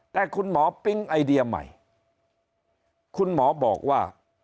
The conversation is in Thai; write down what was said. แต่คุณหมอปิ๊งไอเดียใหม่คุณหมอบอกว่า